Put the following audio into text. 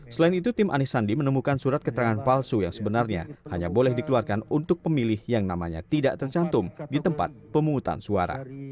selain itu tim anisandi menemukan surat keterangan palsu yang sebenarnya hanya boleh dikeluarkan untuk pemilih yang namanya tidak tercantum di tempat pemungutan suara